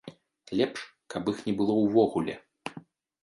Лепш каб іх не было ўвогуле.